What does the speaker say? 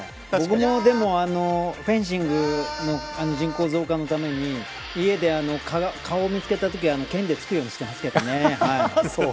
僕も、でもフェンシングの人口増加のために家で顔を見つけたとき剣で突くようにしてますけどね。